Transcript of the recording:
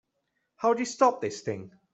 How do you stop this thing?